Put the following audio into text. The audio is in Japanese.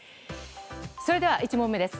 それでは１問目です。